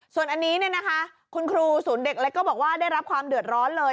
ส่วนอันนี้คุณครูศูนย์เด็กเล็กก็บอกว่าได้รับความเดือดร้อนเลย